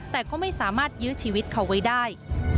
แต่ก็ไม่สามารถยื้อชีวิตเขาไว้ได้